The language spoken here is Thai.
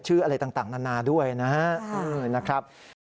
อะไรต่างนานาด้วยนะครับ